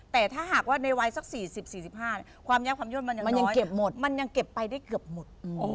แต่ถ้าหากว่าในวัยสัก๔๐๔๕ความยับความย่นมันยังเก็บไปได้เกือบหมด